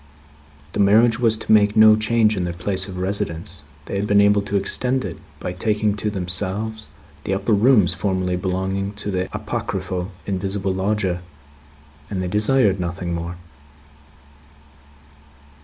The marriage was to make no change in their place of residence; they had been able to extend it, by taking to themselves the upper rooms formerly belonging to the apocryphal invisible lodger, and they desired nothing more.